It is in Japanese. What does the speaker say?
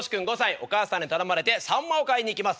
お母さんに頼まれてサンマを買いに行きます。